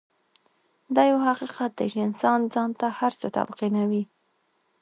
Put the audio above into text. دا يو حقيقت دی چې انسان ځان ته هر څه تلقينوي.